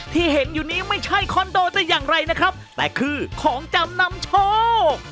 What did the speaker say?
ที่เห็นอยู่นี้ไม่ใช่คอนโดได้อย่างไรนะครับแต่คือของจำนำโชค